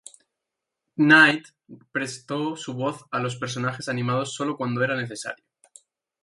Knight prestó su voz a los personajes animados sólo cuando era necesario.